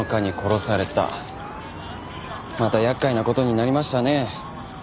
また厄介な事になりましたね。